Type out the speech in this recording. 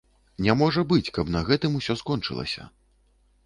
Не можа быць, каб на гэтым усё скончылася.